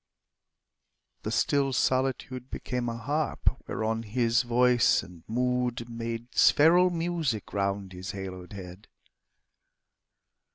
The still solitude Became a harp whereon his voice and mood Made spheral music round his haloed head.